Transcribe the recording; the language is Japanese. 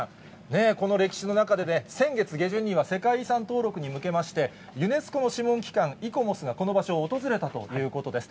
この歴史の中で、先月下旬には世界遺産登録に向けまして、ユネスコの諮問機関、イコモスがこの場所を訪れたということです。